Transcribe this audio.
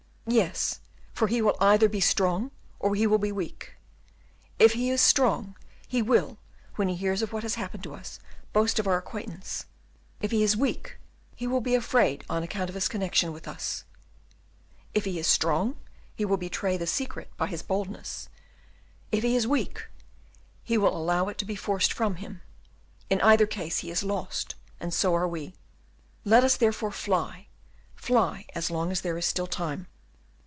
"Yes, for he will either be strong or he will be weak. If he is strong, he will, when he hears of what has happened to us, boast of our acquaintance; if he is weak, he will be afraid on account of his connection with us: if he is strong, he will betray the secret by his boldness; if he is weak, he will allow it to be forced from him. In either case he is lost, and so are we. Let us, therefore, fly, fly, as long as there is still time."